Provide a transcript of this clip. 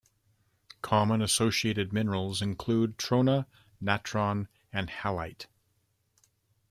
Common associated minerals include trona, natron and halite.